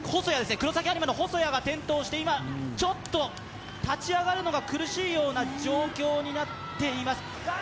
黒崎播磨に細谷が転倒して、今、立ち上がるのが苦しいような状況になっています。